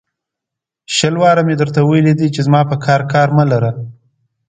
جنګي کلا په ديارلسو سوو کسانو نه نېول کېږي.